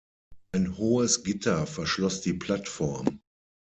Ein hohes Gitter verschloss die Plattform.